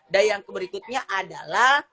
dan yang berikutnya adalah